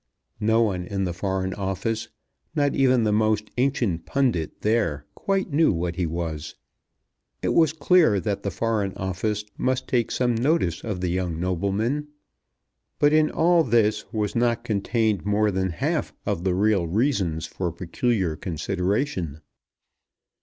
No one in the Foreign Office, not even the most ancient pundit there, quite knew what he was. It was clear that the Foreign Office must take some notice of the young nobleman. But in all this was not contained more than half of the real reasons for peculiar consideration.